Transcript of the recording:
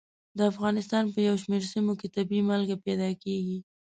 د افغانستان په یو شمېر سیمو کې طبیعي مالګه پیدا کېږي.